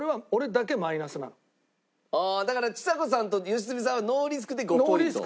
ああだからちさ子さんと良純さんはノーリスクで５ポイント。